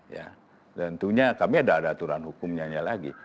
dan tentunya kami ada aturan hukumnya lagi